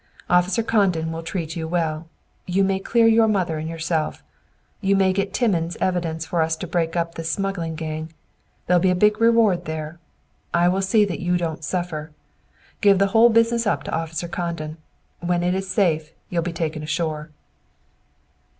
"Officer Condon will treat you well. You may clear your mother and yourself; you may get Timmins' evidence for us to break up this smuggling gang. There'll be a big reward there! I will see that you don't suffer. Give the whole business up to Officer Condon. When it is safe, you'll be taken ashore."